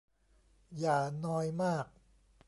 อย่านอยมาก